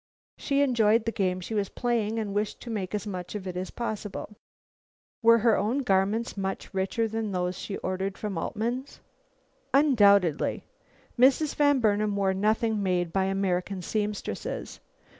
She enjoyed the game she was playing, and wished to make as much of it as possible." "Were her own garments much richer than those she ordered from Altman's?" "Undoubtedly. Mrs. Van Burnam wore nothing made by American seamstresses.